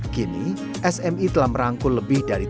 kini smi telah merangkul lebih dari seratus orang